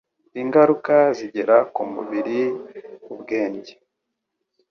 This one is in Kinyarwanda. Ingaruka Zigera ku Mubiri, Ubwenge,